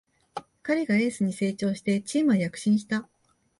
彼がエースに成長してチームは躍進した